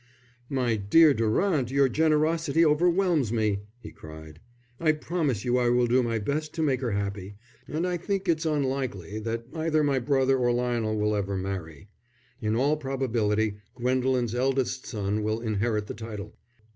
"My dear Durant, your generosity overwhelms me," he cried. "I promise you I will do my best to make her happy, and I think it's unlikely that either my brother or Lionel will ever marry. In all probability Gwendolen's eldest son will inherit the title."